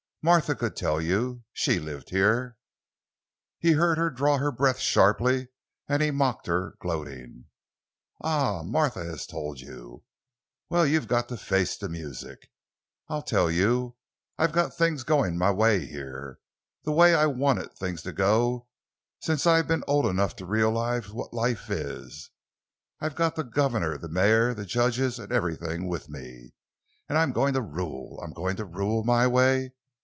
Martha could tell you—she lived here——" He heard her draw her breath sharply and he mocked her, gloating: "Ah, Martha has told you! Well, you've got to face the music, I tell you! I've got things going my way here—the way I've wanted things to go since I've been old enough to realize what life is. I've got the governor, the mayor, the judges—everything—with me, and I'm going to rule. I'm going to rule, my way!